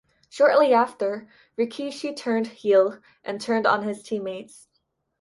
Shortly after, Rikishi turned heel and turned on his teammates.